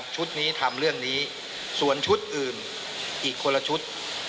ชุดนี้ทำเรื่องนี้ส่วนชุดอื่นอีกคนละชุด